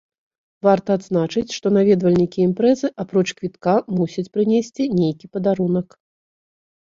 Варта адзначыць, што наведвальнікі імпрэзы апроч квітка мусяць прынесці нейкі падарунак.